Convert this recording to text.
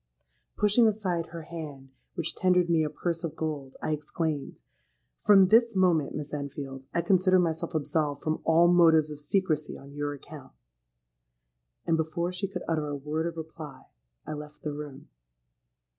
Pushing aside her hand which tendered me a purse of gold, I exclaimed, 'From this moment, Miss Enfield, I consider myself absolved from all motives of secrecy on your account;'—and, before she could utter a word of reply, I left the room.